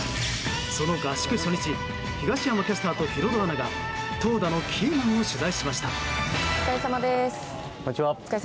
その合宿初日東山キャスターとヒロドアナが投打のキーマンを取材しました。